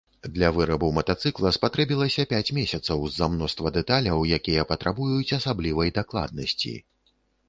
Для вырабу матацыкла спатрэбілася пяць месяцаў з-за мноства дэталяў, якія патрабуюць асаблівай дакладнасці.